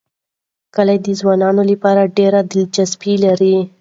کلي د ځوانانو لپاره ډېره دلچسپي لري.